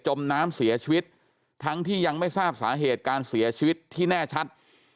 มน้ำเสียชีวิตทั้งที่ยังไม่ทราบสาเหตุการเสียชีวิตที่แน่ชัด